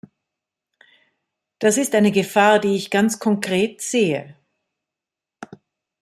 Das ist eine Gefahr, die ich ganz konkret sehe.